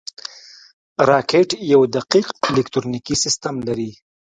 راکټ یو دقیق الکترونیکي سیستم لري